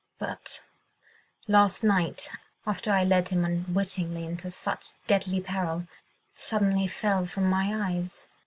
But last night, after I led him unwittingly into such deadly peril, it suddenly fell from my eyes.